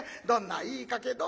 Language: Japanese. どんないい家系